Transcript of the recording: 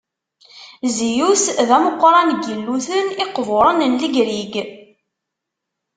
Ziyus d ameqqran n yilluyen iqburen n Legrig.